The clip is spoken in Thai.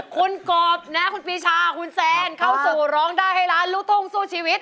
คุณกบนะคุณปีชาคุณแซนเข้าสู่ร้องได้ให้ล้านลูกทุ่งสู้ชีวิต